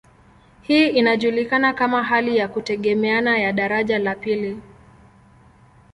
Hii inajulikana kama hali ya kutegemeana ya daraja la pili.